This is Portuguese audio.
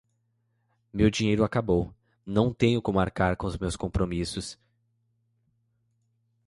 Meu dinheiro acabou, não tenho como arcar com meus compromissos.